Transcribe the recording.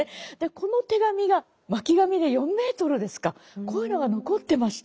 この手紙が巻紙で４ｍですかこういうのが残ってました。